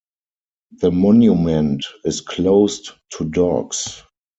The monument is closed to dogs.